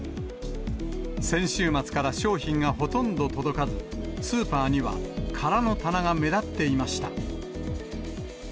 先週末から商品がほとんど届かず、スーパーには空の棚が目立っていました。